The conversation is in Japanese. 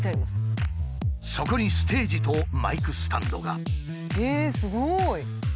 そこにステージとマイクスタンドが。へえすごい！